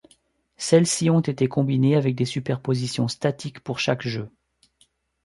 Celles-ci ont été combinées avec des superpositions statiques pour chaque jeu.